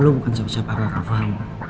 lo bukan siapa siapa rara paham